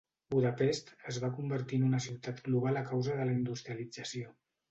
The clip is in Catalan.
Budapest es va convertir en una ciutat global a causa de la industrialització.